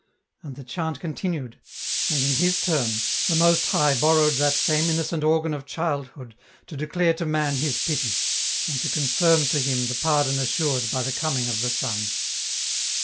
" And the chant contiimed, and in His turn, the Most High borrowed that same innocent organ of childhood, to declare to man His pity, and to confirm to him the pardon assured by the coming of the Son.